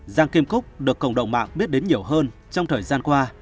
giang kim cúc được cộng đồng mạng biết đến nhiều hơn trong thời gian qua